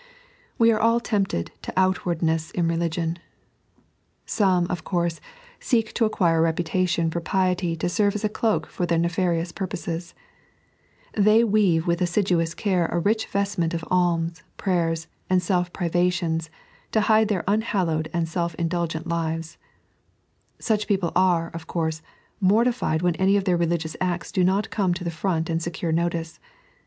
We are all tempted to Outwabdkess in Beuoion. Some, of course, seek to acquire a reputation for piety to serve as a cloak for their nefarious purposes. They weave with assiduous care a rich vestment of alms, prayers, and self privations, to hide their unhallowed nnd self indulgent lives. Such people are, of course, mortified when any of their religious acts do not come to the front and seciu c notice.